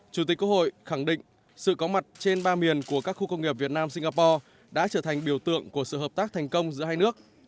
chủ tịch quốc hội khẳng định sự có mặt trên ba miền của các khu công nghiệp việt nam singapore đã trở thành biểu tượng của sự hợp tác thành công giữa hai nước